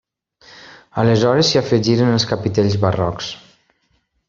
Aleshores s'hi afegiren els capitells barrocs.